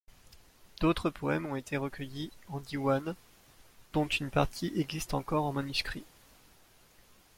D'autres poèmes ont été recueillis en diwan, dont une partie existe encore en manuscrit.